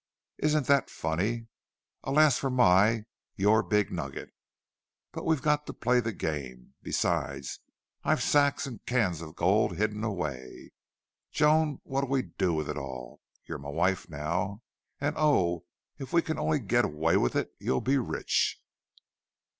Isn't that funny? Alas for my YOUR big nugget! But we've got to play the game. Besides, I've sacks and cans of gold hidden away. Joan, what'll we do with it all? You're my wife now. And, oh! If we can only get away with it you'll be rich!"